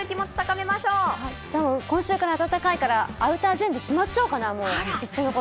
今週から暖かいから、アウターを全部しまっちゃおうかな。